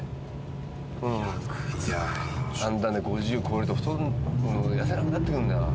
だんだんね５０超えると太る痩せなくなってくるんだよな。